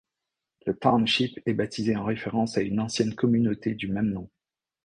Le township est baptisé en référence à une ancienne communauté du même nom.